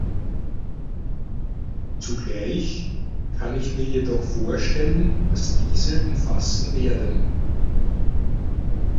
Zugleich kann ich mir jedoch vorstellen, was diese umfassen werden.